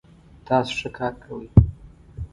تاسو ښه کار کوئ